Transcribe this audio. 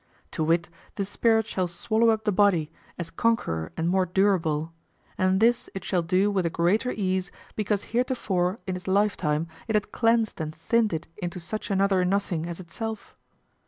To wit, the spirit shall swallow up the body, as conqueror and more durable; and this it shall do with the greater ease because heretofore, in its lifetime, it had cleansed and thinned it into such another nothing as itself.